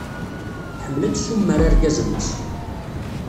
Tḥemmel ad tessumar argaz-nnes.